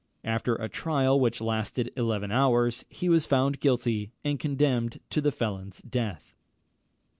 After a trial which lasted eleven hours he was found guilty, and condemned to the felon's death.